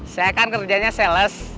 saya akan kerjanya sales